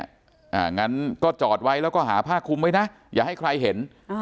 อย่างนั้นก็จอดไว้แล้วก็หาผ้าคุมไว้นะอย่าให้ใครเห็นอ่า